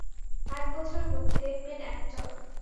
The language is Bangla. একবছরের মধ্যে মেন অ্যাঁকটর।